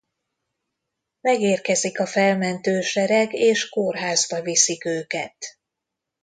Megérkezik a felmentő sereg és kórházba viszik őket.